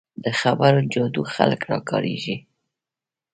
د خبرو جادو خلک راکاږي